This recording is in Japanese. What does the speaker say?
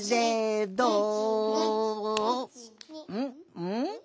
うん？